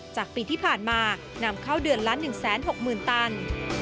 จากปีที่ผ่านมานำเข้าเดือนละ๑๖๐๐๐ตัน